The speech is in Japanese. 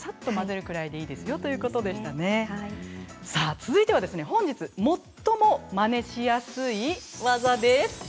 続いては本日最も、まねしやすい技です。